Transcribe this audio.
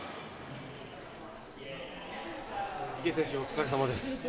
池江選手お疲れさまです。